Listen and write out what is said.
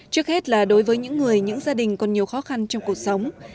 trước hết là đối với những người những gia đình còn nhiều khó khăn trong cuộc sống